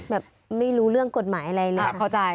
แบบไม่รู้เรื่องกฎหมายอะไรเลย